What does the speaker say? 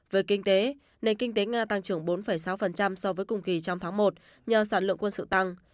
về kinh tế nền kinh tế nga tăng trưởng bốn sáu so với cùng kỳ trong tháng một nhờ sản lượng quân sự tăng